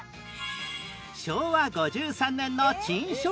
昭和５３年の珍商品